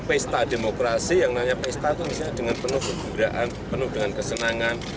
pesta demokrasi yang nanya pesta itu misalnya penuh dengan kegembiraan penuh dengan kesenangan